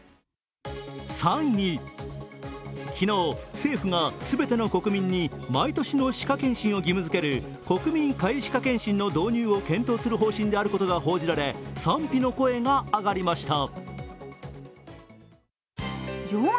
３位、昨日、政府がすべての国民に毎年の歯科検診を義務づける国民皆歯科検診の導入を検討する方針であることが報じられ賛否の声が上がりました。